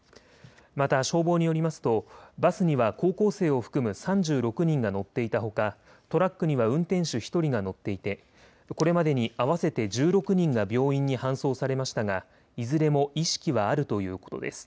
また消防によりますとバスには高校生を含む３６人が乗っていたほかトラックには運転手１人が乗っていてこれまでに合わせて１６人が病院に搬送されましたがいずれも意識はあるということです。